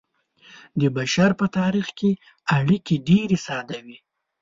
د بشر په تاریخ کې اړیکې ډیرې ساده وې.